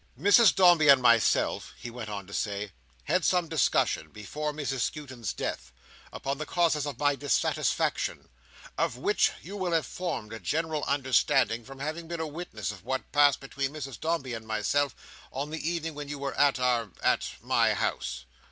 "Mrs Dombey and myself," he went on to say, "had some discussion, before Mrs Skewton's death, upon the causes of my dissatisfaction; of which you will have formed a general understanding from having been a witness of what passed between Mrs Dombey and myself on the evening when you were at our—at my house."